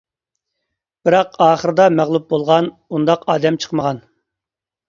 بىراق ئاخىردا مەغلۇپ بولغان، ئۇنداق ئادەم چىقمىغان.